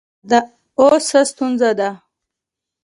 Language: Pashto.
اوس څه ستونزه ده